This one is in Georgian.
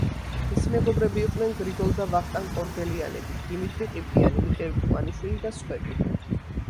მისი მეგობრები იყვნენ გრიგოლ და ვახტანგ ორბელიანები, დიმიტრი ყიფიანი, მიხეილ თუმანიშვილი და სხვები.